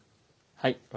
はい。